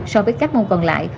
so với các môn còn lại